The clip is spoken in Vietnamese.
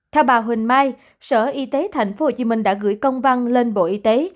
theo bà huỳnh mai sở y tế thành phố hồ chí minh đã gửi công văn lên bộ y tế